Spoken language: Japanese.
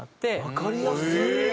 わかりやすい！